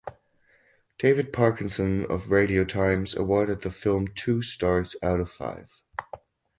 David Parkinson of "Radio Times" awarded the film two stars out of five.